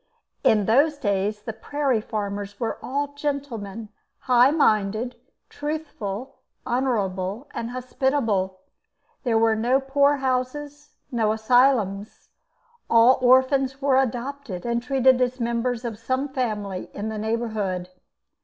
In those days the prairie farmers were all gentlemen, high minded, truthful, honourable, and hospitable. There were no poor houses, no asylums. All orphans were adopted and treated as members of some family in the neighbourhood.